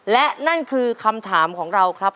และนั่นคือคำถามของเราครับ